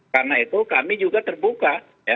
karena itu kami juga terbuka